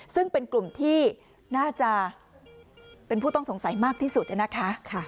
ซึ่งเป็นกลุ่มที่น่าจะเป็นผู้ต้องสงสัยมากที่สุดนะคะ